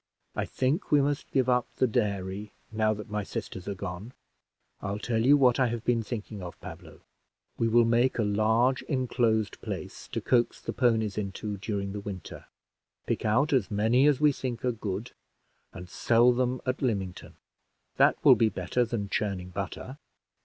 I think we must give up the dairy, now that my sisters are gone. I'll tell you what I have been thinking of, Pablo. We will make a large inclosed place, to coax the ponies into during the winter, pick out as many as we think are good, and sell them at Lymington. That will be better than churning butter."